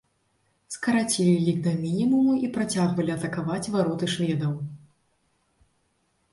Скарацілі лік да мінімуму і працягвалі атакаваць вароты шведаў.